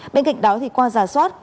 bên cạnh đó thì qua giả soát